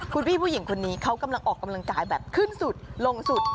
คุณพี่ผู้หญิงคนนี้เขากำลังออกกำลังกายแบบขึ้นสุดลงสุด